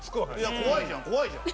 山崎：怖いじゃん、怖いじゃん！